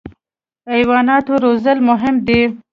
حیوانات روزل مهم دي.